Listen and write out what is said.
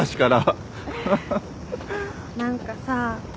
何かさ